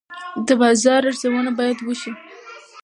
د بازار ارزونه باید وشي.